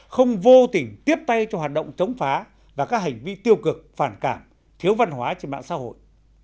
không vô tình tiếp tay cho hoạt động chống phá và các hành vi tiêu cực phản cảm thiếu văn hóa trên mạng xã hội